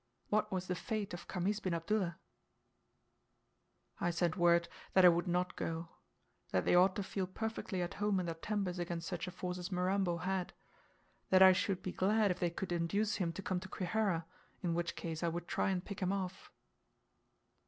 What was the fate of Khamis bin Abdullah? I sent word that I would not go; that they ought to feel perfectly at home in their tembes against such a force as Mirambo had, that I should be glad if they could induce him to come to Kwihara, in which case I would try and pick him off.